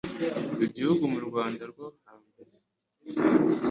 igihugu mu Rwanda rwo ha mbere.